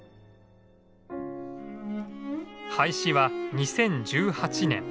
廃止は２０１８年。